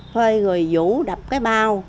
phơi rồi vũ đập cái bao